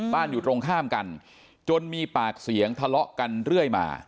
อยู่ตรงข้ามกันจนมีปากเสียงทะเลาะกันเรื่อยมา